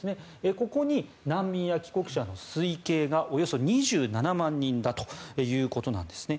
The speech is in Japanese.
ここに難民や帰国者の推計がおよそ２７万人だということなんですね。